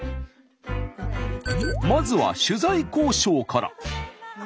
まずは取材交渉から。